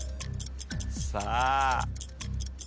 さあ。